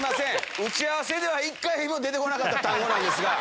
打ち合わせでは一回も出てこなかった単語なんですが。